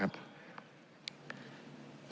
และบุคลากรครับ